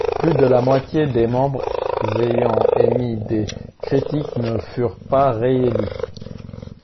Plus de la moitié des membres ayant émis des critiques ne furent pas réélus.